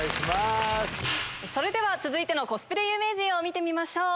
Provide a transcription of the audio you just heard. それでは続いてのコスプレ有名人見てみましょう。